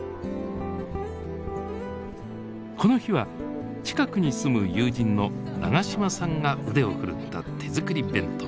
この日は近くに住む友人の長島さんが腕を振るった手作り弁当。